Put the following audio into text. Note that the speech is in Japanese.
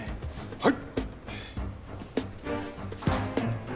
はい。